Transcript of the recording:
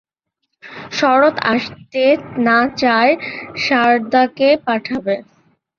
শরৎ আসতে না চায় সারদাকে পাঠাবে।